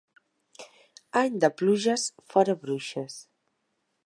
Any de pluges, fora bruixes.